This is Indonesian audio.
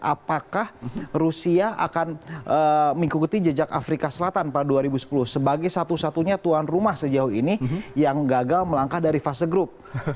apakah rusia akan mengikuti jejak afrika selatan pada dua ribu sepuluh sebagai satu satunya tuan rumah sejauh ini yang gagal melangkah dari fase grup